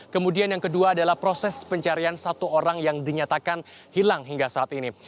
kemudian yang kedua adalah proses pencarian satu orang yang dinyatakan hilang hingga saat ini